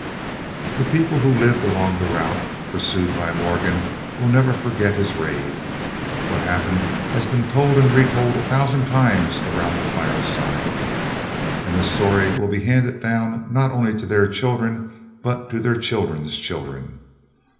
The people who lived along the route pursued by Morgan will never forget his raid. What happened has been told and retold a thousand times around the fireside, and the story will be handed down not only to their children, but to their children's children.